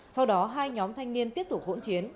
sau đó hai nhóm thanh niên tiếp tục hỗn chiến